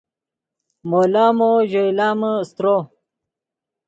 مو لامو ژئے لامے استرو